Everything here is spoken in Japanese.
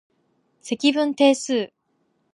積分定数